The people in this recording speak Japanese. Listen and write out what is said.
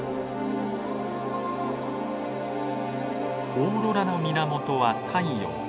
オーロラの源は太陽。